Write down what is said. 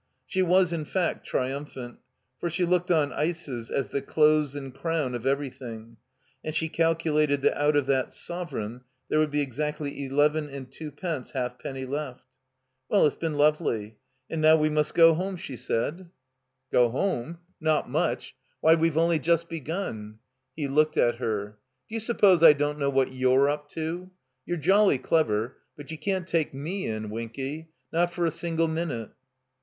She was, in fact, triumphant, for she looked on ices as the close and crown of every thing, and she calculated that out of that sovereign there would be exactly eleven and twopence half penny left. "Well — it's been lovely. And now we must go home," she said. 364 THE COMBINED MAZE Go home? Not much. Why, we've only just begun." He looked at her. ''D'you suppose I don't know what you're up to? You're jolly clever, but you can't take fne in, Winky. Not for a single minute."